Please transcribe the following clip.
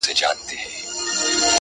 • د خيال غزل بۀ هم صنمه پۀ رو رو غږېدو,